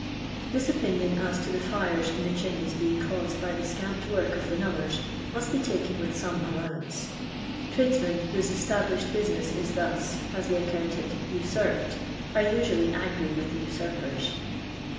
This opinion as to the fires in the chimneys being caused by the scamped work of the knullers must be taken with some allowance. Tradesmen, whose established business is thus, as they account it, usurped, are naturally angry with the usurpers.